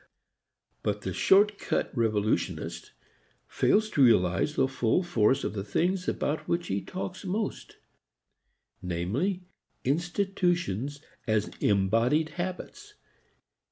But the short cut revolutionist fails to realize the full force of the things about which he talks most, namely institutions as embodied habits.